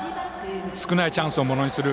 少ないチャンスをものにする。